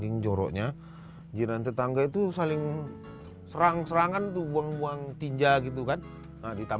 mau nantangin rupanya